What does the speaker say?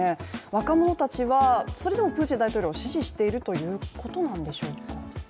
若者たちはそれでもプーチン大統領を支持しているということなんでしょうか？